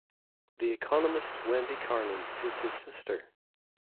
The economist Wendy Carlin is his sister.